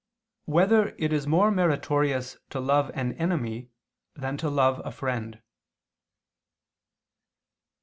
7] Whether It Is More Meritorious to Love an Enemy Than to Love a Friend?